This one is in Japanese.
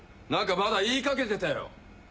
何かまだ言いかけてたよ。